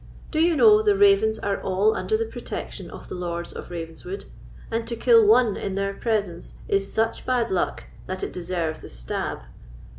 Do you know, the ravens are all under the protection of the Lords of Ravenswood, and to kill one in their presence is such bad luck that it deserves the stab?"